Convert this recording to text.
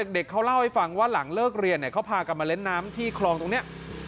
เด็กเขาเล่าให้ฟังว่าหลังเลิกเรียนเขาพากันมาเล่นน้ำที่คลองตรงนี้